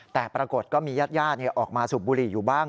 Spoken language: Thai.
แต่ปรากฏก็มีญาติออกมาสูบบุหรี่อยู่บ้าง